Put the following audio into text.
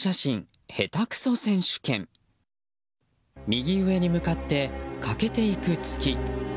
右上に向かって欠けていく月。